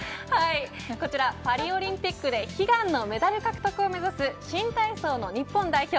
こちらパリオリンピックで悲願のメダル獲得を目指す新体操の日本代表